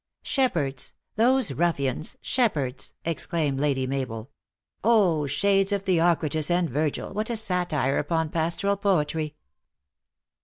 " Shepherds ! those ruffians, shepherds !" exclaimed Lady Mabel ;" O ! shades of Theocritus and Virgil, what a satire upon pastoral poetry